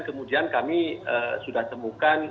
kemudian kami sudah temukan